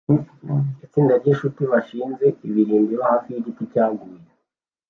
Itsinda ryinshuti bashinze ibirindiro hafi yigiti cyaguye